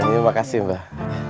terima kasih mbak